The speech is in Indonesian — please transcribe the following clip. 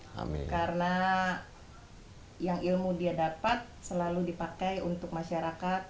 karena yang ilmu dia dapat selalu dipakai untuk masyarakat